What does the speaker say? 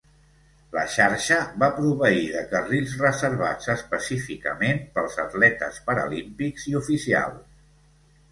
La xarxa va proveir de carrils reservats específicament pels atletes paralímpics i oficials.